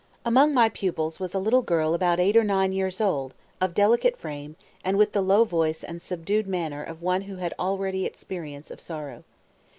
Among my pupils was a little girl about eight or nine years old, of delicate frame, and with the low voice and subdued manner of one who had already had experience of sorrow.